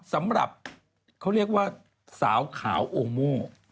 สำหรับเขาเรียกว่าสาวขาวโอโม่